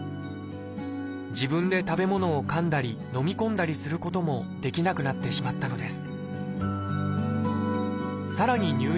自分で食べ物をかんだりのみ込んだりすることもできなくなってしまったのです。